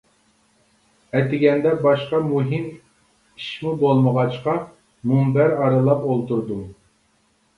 ئەتىگەندە باشقا مۇھىم ئىشمۇ بولمىغاچقا مۇنبەر ئارىلاپ ئولتۇردۇم.